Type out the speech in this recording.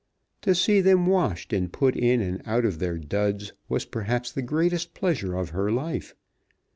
To see them washed and put in and out of their duds was perhaps the greatest pleasure of her life.